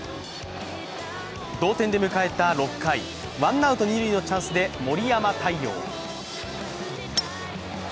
同点で迎えた６回、ワンアウト二塁のチャンスで森山太陽。